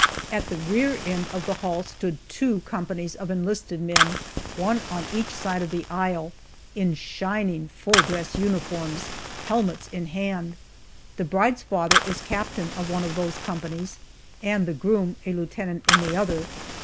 At the rear end of the hall stood two companies of enlisted men one on each side of the aisle in shining full dress uniforms, helmets in hand. The bride's father is captain of one of those companies, and the groom a lieutenant in the other.